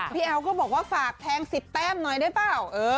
แอลก็บอกว่าฝากแทง๑๐แต้มหน่อยได้เปล่า